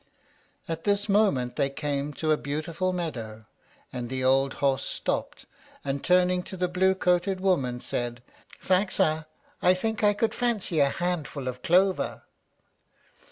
At this moment they came to a beautiful meadow, and the old horse stopped, and, turning to the blue coated woman, said, "Faxa, I think I could fancy a handful of clover."